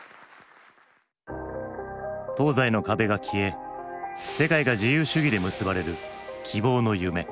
東西の壁が消え世界が自由主義で結ばれる希望の夢。